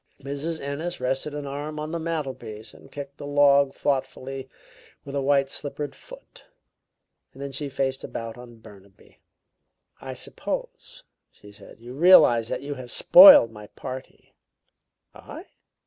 Mrs. Ennis rested an arm on the mantelpiece and kicked a log thoughtfully with a white slippered foot; then she faced about on Burnaby. "I suppose," she said, "you realize that you have spoiled my party?" "I?"